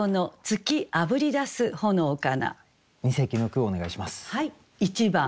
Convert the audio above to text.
二席の句お願いします。